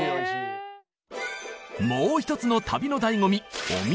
もう一つの旅の醍醐味